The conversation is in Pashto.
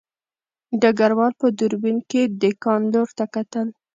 ډګروال په دوربین کې د کان لور ته کتل